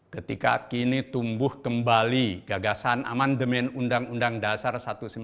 ketika kini tumbuh kembali gagasan amandemen undang undang dasar seribu sembilan ratus empat puluh